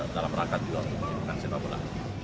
dalam rangka juga untuk menjadikan sempat bola